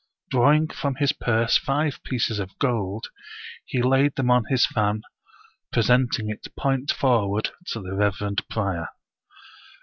Drawing from his purse five pieces of gold, he laid them on his fan, presenting it point forward to the reverend prior.